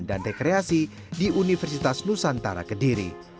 kesehatan dan rekreasi di universitas nusantara kediri